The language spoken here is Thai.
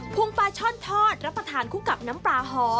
งปลาช่อนทอดรับประทานคู่กับน้ำปลาหอ